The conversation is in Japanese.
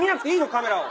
カメラを。